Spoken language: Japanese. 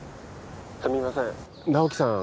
すみません直木さん